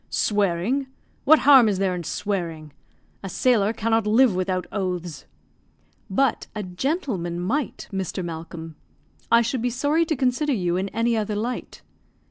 "Swearing! What harm is there in swearing? A sailor cannot live without oaths." "But a gentleman might, Mr. Malcolm. I should be sorry to consider you in any other light."